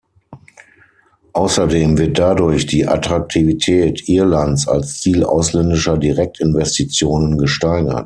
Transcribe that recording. Außerdem wird dadurch die Attraktivität Irlands als Ziel ausländischer Direktinvestitionen gesteigert.